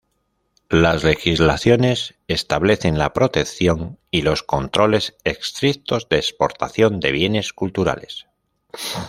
Las legislaciones establecen la protección y los controles estrictos de exportación de bienes culturales.